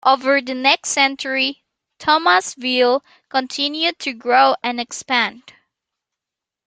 Over the next century, Thomasville continued to grow and expand.